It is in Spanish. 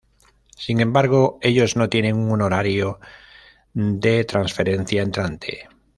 Sin embargo, ellos no tienen un honorario de transferencia entrante.